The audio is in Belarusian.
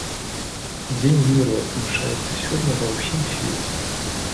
Дзень міру адзначаецца сёння ва ўсім свеце.